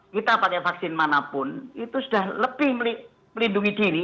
kita pakai vaksin manapun itu sudah lebih melindungi diri